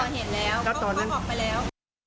ก่อเหตุแล้วก็ค่อยออกไปแล้ว